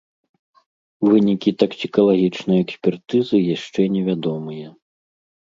Вынікі таксікалагічнай экспертызы яшчэ невядомыя.